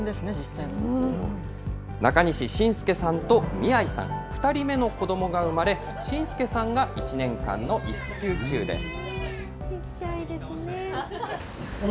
中西信介さんと味愛さん、２人目の子どもが産まれ、信介さんが１年間の育休中です。